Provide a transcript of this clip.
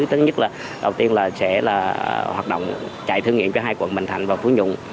tất nhất là đầu tiên sẽ hoạt động chạy thử nghiệm cho hai quận bình thành và phú nhung